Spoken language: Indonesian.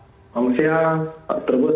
selamat siang pak trubus